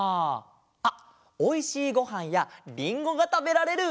あっおいしいごはんやりんごがたべられる！